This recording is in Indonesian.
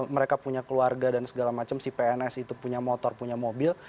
mereka punya keluarga dan segala macam si pns itu punya motor punya mobil